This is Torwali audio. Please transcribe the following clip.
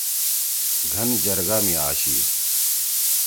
گھن جرگہ می آشی۔